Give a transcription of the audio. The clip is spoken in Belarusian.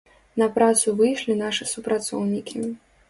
На працу выйшлі нашы супрацоўнікі.